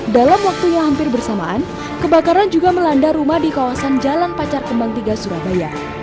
dalam waktu yang hampir bersamaan kebakaran juga melanda rumah di kawasan jalan pacar kembang tiga surabaya